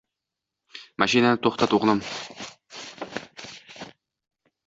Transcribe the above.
Mashinani to‘xtat, o‘g‘lim.